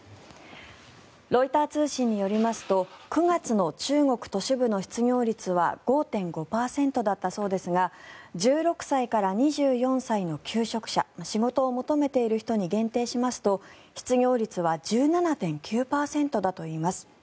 ロイター通信によりますと９月の中国都市部の失業率は５．５％だったそうですが１６歳から２４歳の求職者仕事を求めている人に限定しますと失業率は１７．９％だといいます。